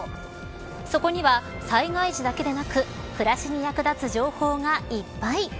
そこには災害時だけでなく暮らしに役立つ情報がいっぱい。